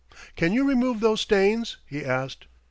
"Can you remove those stains?" he asked.